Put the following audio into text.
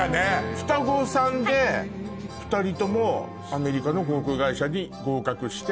双子さんで２人ともアメリカの航空会社に合格して。